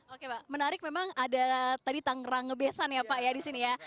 oke pak menarik memang ada tadi tangerang ngebesan ya pak ya di sini ya